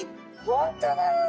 本当だ！